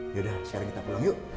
yaudah sharing kita pulang yuk